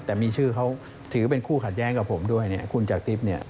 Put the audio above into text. แต่มีชื่อเขาถือเป็นคู่ขัดแย้งกับผมด้วยคุณจักรทิพย์